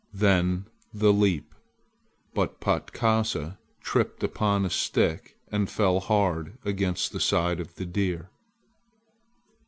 Then the leap! But Patkasa tripped upon a stick and fell hard against the side of the deer.